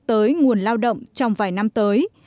tới nguồn lao động trong vài năm tới